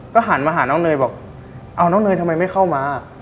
ก็หันมาหาน้องเนยบอกเอาน้องเนยทำไมไม่เข้ามา